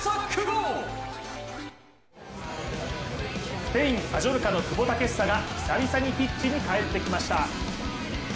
スペインマジョルカの久保建英が久しぶりにピッチに帰ってきました。